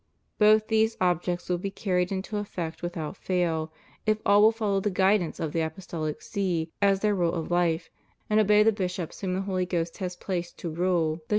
Both these objects will be carried into effect without fail if all will follow the guid ance of the ApostoUc See as their rule of hfe and obey the bishops whom the Holy Ghost has placed to rule the CHRISTIAN CONSTITUTION OF STATES.